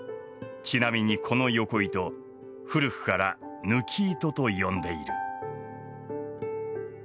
ちなみにこのよこ糸古くから緯糸と呼んでいる。